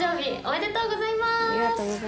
ありがとうございます。